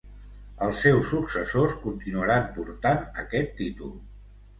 Els seus successors continuaran portant aquest títol.